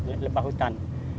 itu lebah hutan